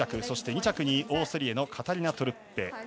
そして２着にオーストリアのカタリナ・トルッペ。